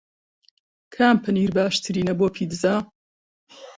کام پەنیر باشترینە بۆ پیتزا؟